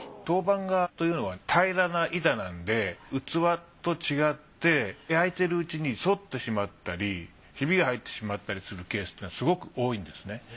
陶板画というのは平らな板なんで器と違って焼いてるうちに反ってしまったりヒビが入ってしまったりするケースっていうのはすごく多いんですね。